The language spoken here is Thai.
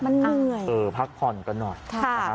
มันเหนื่อยเออพักผ่อนกันหน่อยค่ะนะฮะ